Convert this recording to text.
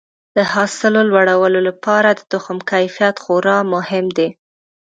د حاصل لوړولو لپاره د تخم کیفیت خورا مهم دی.